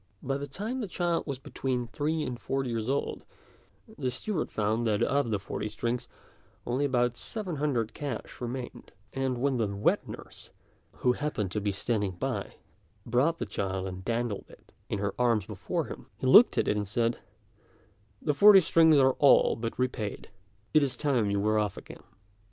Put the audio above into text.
By the time the child was between three and four years old, the steward found that of the forty strings only about seven hundred cash remained; and when the wet nurse, who happened to be standing by, brought the child and dandled it in her arms before him, he looked at it and said, "The forty strings are all but repaid; it is time you were off again."